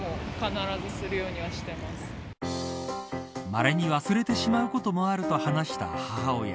まれに忘れてしまうこともあると話した母親。